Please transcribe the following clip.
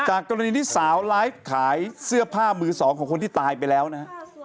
กรณีที่สาวไลฟ์ขายเสื้อผ้ามือสองของคนที่ตายไปแล้วนะฮะ